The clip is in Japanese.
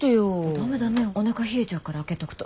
ダメダメおなか冷えちゃうから開けとくと。